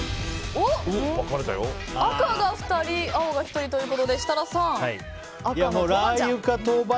赤が２人、青が１人ということで設楽さん、赤の豆板醤。